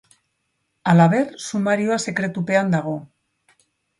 Halaber, sumarioa sekretupean dago.